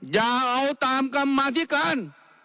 อย่าเอาตามกรรมาธิการ